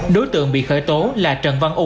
đối tượng bị khởi tố là trần văn ú